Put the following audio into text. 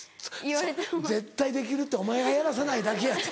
絶対できるってお前がやらさないだけやって。